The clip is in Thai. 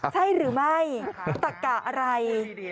ใช่หรือไม่ตะกะอะไร